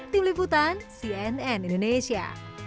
tim liputan cnn indonesia